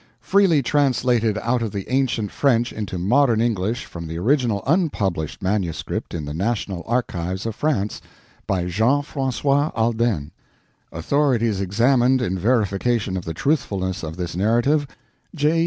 Freely translated out of the ancient French into modern English from the original unpublished manuscript in the National Archives of France By Jean Francois Alden Authorities examined in verification of the truthfulness of this narrative: J.